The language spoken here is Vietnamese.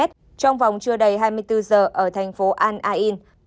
trong vòng trưa đầy hai mươi bốn giờ ở thành phố al ain